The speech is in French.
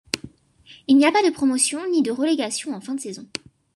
Il n'y a pas de promotion ni de relégation en fin de saison.